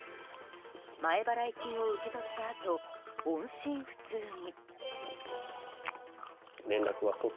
前払い金を受け取ったあと音信不通に。